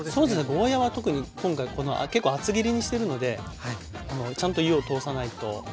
ゴーヤーは特に今回結構厚切りにしてるのでちゃんと火を通さないと苦いってなっちゃったり。